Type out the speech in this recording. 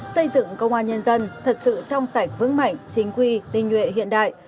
xây dựng công an nhân dân thật sự trong sạch vững mạnh chính quy tinh nhuệ hiện đại